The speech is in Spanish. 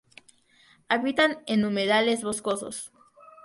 Habitan en humedales boscosos.